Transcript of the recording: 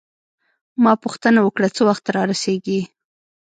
ما پوښتنه وکړه: څه وخت رارسیږي؟